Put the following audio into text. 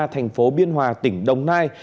thành phố biên hòa tỉnh đồng nai